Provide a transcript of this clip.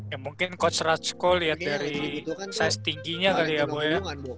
ya mungkin coach ratsko lihat dari size tingginya kali ya gue